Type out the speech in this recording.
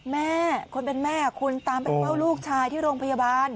แม่คนเป็นแม่คุณตามไปเฝ้าลูกชายที่โรงพยาบาล